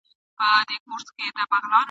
یا په رپ کي یې د سترګو یې پلورلی ..